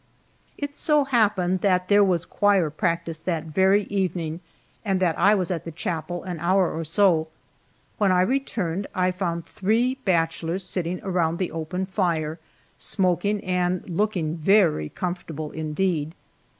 It so happened that there was choir practice that very evening, and that I was at the chapel an hour or so. When I returned, I found the three bachelors sitting around the open fire, smoking, and looking very comfortable indeed.